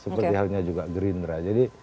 seperti halnya juga gerindra